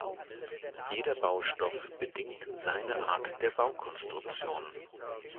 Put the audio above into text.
Jeder Baustoff bedingt seine Art der Baukonstruktion.